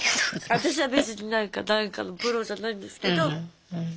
私は別になんかなんかのプロじゃないんですけど。